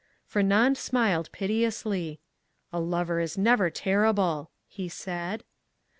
Fernand smiled piteously. "A lover is never terrible," he said.